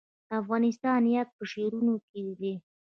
د افغانستان یاد په شعرونو کې دی